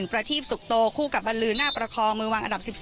ประทีปสุขโตคู่กับบรรลือหน้าประคองมือวางอันดับ๑๒